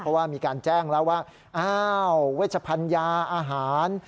เพราะว่ามีการแจ้งแล้วว่าอ้าวเวชพันยาอาหาร